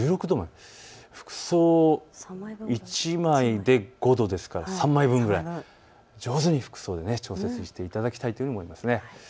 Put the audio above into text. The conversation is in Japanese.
服装１枚で５度ですから３枚分くらい、上手に服装を調節していただきたいというふうに思います。